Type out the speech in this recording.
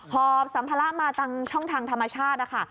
หอบสัมภาระมาทางช่องทางธรรมชาตินะคะ